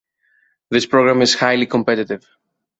This program is highly competitive.